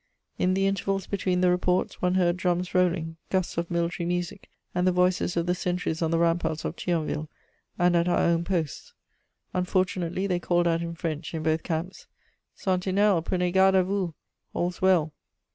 In the intervals between the reports, one heard drums rolling, gusts of military music, and the voices of the sentries on the ramparts of Thionville and at our own posts; unfortunately, they called out in French in both camps: "Sentinelles, prenez garde à vous! All's well!"